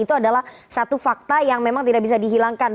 itu adalah satu fakta yang memang tidak bisa dihilangkan